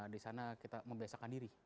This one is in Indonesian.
di sana kita membesarkan diri